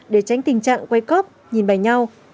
để tránh tình trạng quay cóp nhìn bài nhau